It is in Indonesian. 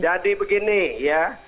jadi begini ya